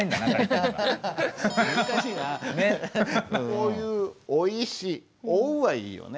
こういう「追いし」「追う」はいいよね。